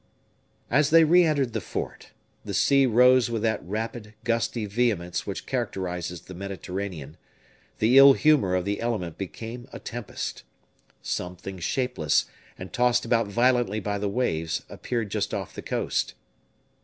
As they re entered the fort, the sea rose with that rapid, gusty vehemence which characterizes the Mediterranean; the ill humor of the element became a tempest. Something shapeless, and tossed about violently by the waves, appeared just off the coast.